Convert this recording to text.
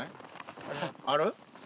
ある？